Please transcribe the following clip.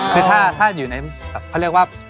คือถ้าอยู่ในแบบเขาเรียกว่า